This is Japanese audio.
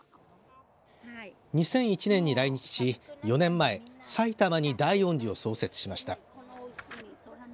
２００１年に来日し、４年前埼玉に大恩寺を創設しました。